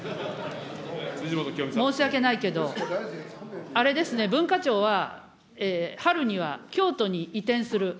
申し訳ないけど、あれですね、文化庁は、春には京都に移転する。